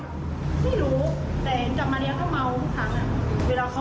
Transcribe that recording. ก็เห็นนะคือบนอย่างยังมาก